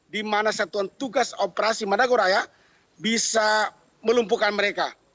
di mana satuan tugas operasi madagoraya bisa melumpuhkan mereka